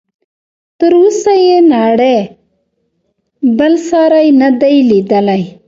تر اوسه یې نړۍ بل ساری نه دی لیدلی.